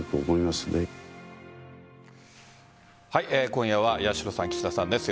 今夜は八代さん、岸田さんです。